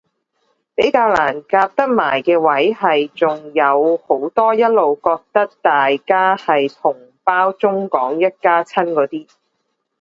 比較難夾得埋嘅位係仲有好多一路覺得大家係同胞中港一家親嗰啲